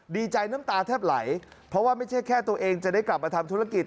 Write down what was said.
ดีใจน้ำตาแทบไหลเพราะว่าไม่ใช่แค่ตัวเองจะได้กลับมาทำธุรกิจ